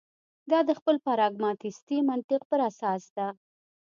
دا د خپل پراګماتیستي منطق پر اساس ده.